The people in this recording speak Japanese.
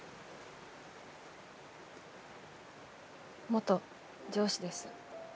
元上司です。